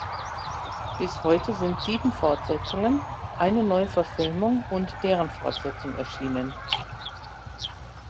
Bis heute sind sieben Fortsetzungen, eine Neuverfilmung und deren Fortsetzung erschienen.